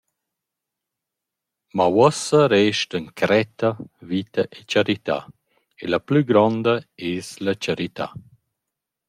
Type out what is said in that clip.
Ma uossa restan cretta, vita e charità, e la plü gronda ais la charità.